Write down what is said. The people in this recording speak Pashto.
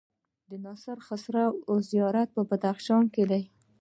د ناصر خسرو زيارت په بدخشان کی دی